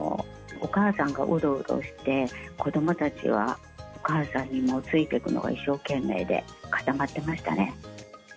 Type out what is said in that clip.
お母さんがおどおどして、子どもたちはお母さんについていくのが一生懸命で、固まってましたね。